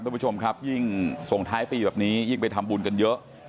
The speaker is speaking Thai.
คุณผู้ชมครับยิ่งส่งท้ายปีแบบนี้ยิ่งไปทำบุญกันเยอะ